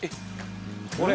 これ？